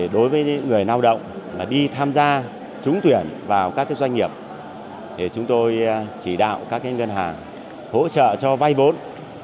đối với người lao động đi tham gia trúng tuyển vào các doanh nghiệp thì chúng tôi chỉ đạo các ngân hàng hỗ trợ cho vay vốn